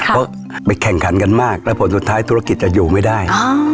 เพราะไปแข่งขันกันมากแล้วผลสุดท้ายธุรกิจจะอยู่ไม่ได้